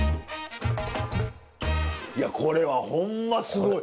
いやこれはホンマすごい！